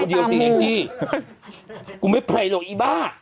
กูเดี๋ยวตีให้จี้กูไม่ไผลหรอกอีบ้า